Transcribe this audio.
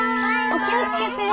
お気を付けて。